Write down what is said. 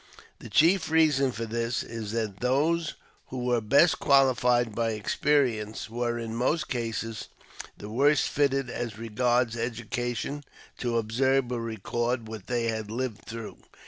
The chief reason for this is that those who were best qualified by experience were in most cases the worst fitted as regards education, to observe, or record, what they had lived through.